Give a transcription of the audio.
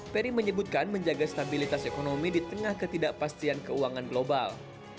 peri menyebutkan menjaga stabilitas ekonomi di tengah ketidakpastian keuangan global